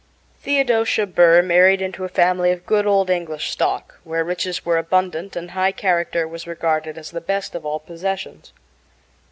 Theodosia Burr married into a family of good old English stock, where riches were abundant, and high character was regarded as the best of all possessions.